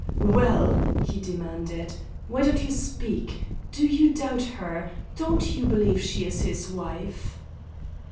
"Well," he demanded, "why don't you speak? Do you doubt her? Don't you believe she is his wife?"